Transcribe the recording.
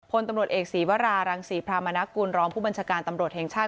พลตำรวจเอกศีวรารังศรีพรามนกุลรองผู้บัญชาการตำรวจแห่งชาติ